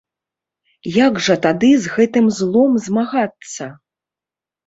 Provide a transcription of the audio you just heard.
Як жа тады з гэтым злом змагацца?